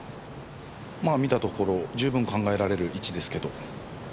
まあ見たところ十分考えられる位置ですけど。